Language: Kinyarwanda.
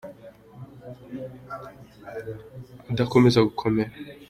Iyo bihuye byose rero bituma umusingi ugize umuhanda udakomeza gukomera.